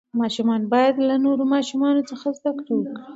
ماشوم باید د نورو ماشومانو څخه زده کړه وکړي.